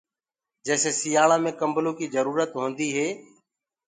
جيسي سيآݪآ مي ڪمبلو ڪيٚ جرورت هونديٚ هي